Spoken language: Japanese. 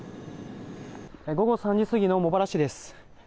午後３時過ぎの茂原市です。